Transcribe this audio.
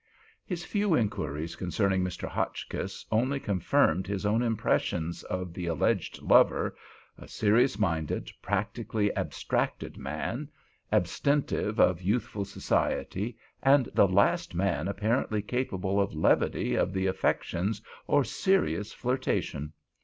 His few inquiries concerning Mr. Hotchkiss only confirmed his own impressions of the alleged lover—a serious minded, practically abstracted man—abstentive of youthful society, and the last man apparently capable of levity of the affections or serious flirtation.